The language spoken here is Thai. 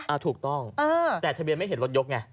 ถูกต้องแต่ทะเบียนไม่เห็นรถยกไง